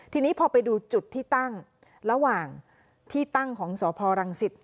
ทีนี้พอไปดูจุดที่ตั้งระหว่างที่ตั้งของสพรังสิต